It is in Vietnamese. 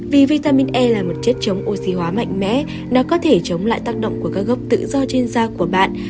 vì vitamin e là một chất chống oxy hóa mạnh mẽ nó có thể chống lại tác động của các gốc tự do trên da của bạn